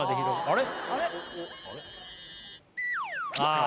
あれ？